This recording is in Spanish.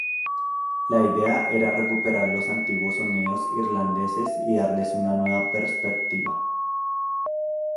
La idea era recuperar los antiguos sonidos irlandeses y darles una nueva perspectiva.